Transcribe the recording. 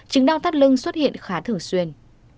chứng đau tắt lưng xuất hiện khá thường xuyên